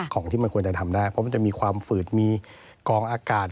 ของที่มันควรจะทำได้เพราะมันจะมีความฝืดมีกองอากาศ